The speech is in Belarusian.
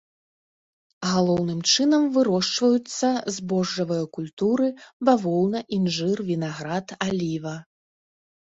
Галоўным чынам вырошчваюцца збожжавыя культуры, бавоўна, інжыр, вінаград, аліва.